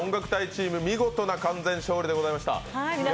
チーム見事な完全勝利でございました。